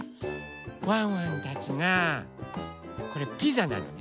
ワンワンたちがこれピザなのね。